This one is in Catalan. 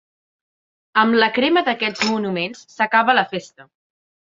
Amb la crema d'aquests monuments s'acaba la festa.